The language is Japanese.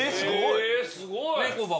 へえすごい！